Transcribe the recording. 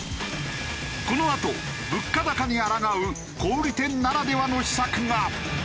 このあと物価高に抗う小売店ならではの秘策が。